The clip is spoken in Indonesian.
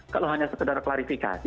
kalau hanya sekedar klarifikasi